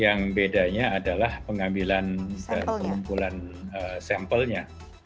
yang bedanya adalah pengambilan dan pengumpulan sampelnya